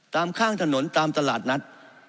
ข้างถนนตามตลาดนัด